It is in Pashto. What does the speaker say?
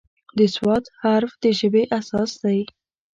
د "ص" حرف د ژبې اساس دی.